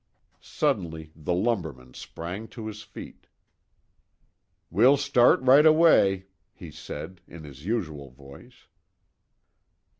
Suddenly the lumberman sprang to his feet "We'll start right away," he said, in his usual voice.